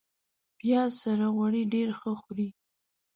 پیاز سره غوړي ډېر ښه خوري